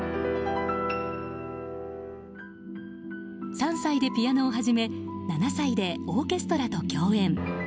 ３歳でピアノを始め７歳でオーケストラと共演。